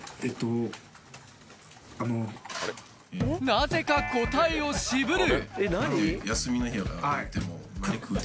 なぜか答えを渋る。